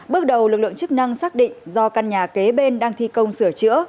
bước đầu lực lượng chức năng xác định do căn nhà kế bên đang thi công sửa chữa